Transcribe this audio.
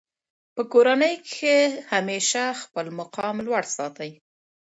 په کورنۍ کښي همېشه خپل مقام لوړ ساتئ!